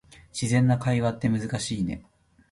自然な会話って難しいね